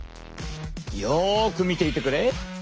よく見ていてくれ。